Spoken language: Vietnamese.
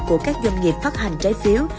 của các doanh nghiệp phát hành trái phiếu